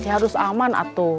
harus aman atu